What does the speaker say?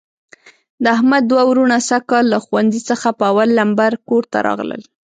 د احمد دوه وروڼه سږ کال له ښوونځي څخه په اول لمبر کورته راغلل.